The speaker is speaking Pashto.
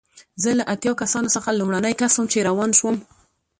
زه له اتیا کسانو څخه لومړنی کس وم چې روان شوم.